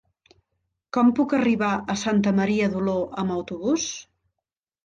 Com puc arribar a Santa Maria d'Oló amb autobús?